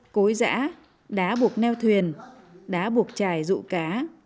cối giã đá buộc neo thuyền đá buộc chài dụ cá